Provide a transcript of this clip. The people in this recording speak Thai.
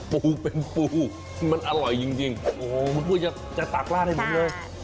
ปูเป็นปูมันอร่อยจริงโอ้โฮเหมือนว่าจะตากลาดให้หมดเลย